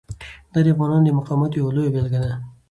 دا د افغانانو د مقاومت یوه لویه بیلګه ده.